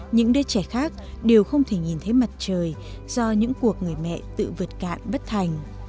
những đứa trẻ khác đều không thể nhìn thấy mặt trời do những cuộc người mẹ tự vượt cạn bất thành